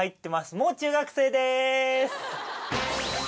もう中学生です！